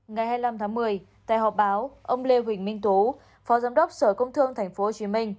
ngày hai mươi năm tháng một mươi tại họp báo ông lê huỳnh minh tú phó giám đốc sở công thương tp hcm